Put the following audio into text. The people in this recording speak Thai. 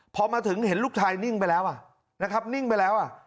พอมาถึงเห็นลูกชายนิ่งไปแล้วนะครับนิ่งไปแล้ว